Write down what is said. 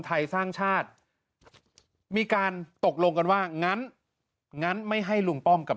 ไทยสร้างชาติมีการตกลงกันว่างั้นงั้นไม่ให้ลุงป้อมกับ